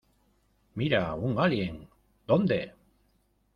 ¡ Mira, un alien! ¿ dónde?